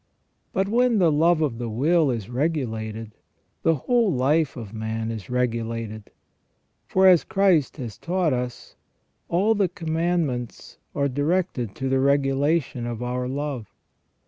But when the love of the will is regulated, the whole life of man is regulated ; for as Christ has taught us, all the commandments are directed to the regulation of our love.